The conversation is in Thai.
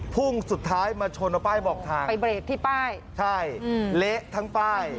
พุ่งสุดท้ายมาชนเอาป้ายบอกทางไปเบรกที่ป้ายใช่เละทั้งป้าย